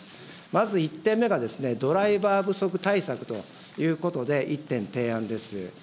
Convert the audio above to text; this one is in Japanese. まず１点目が、ドライバー不足対策ということで、１点提案です。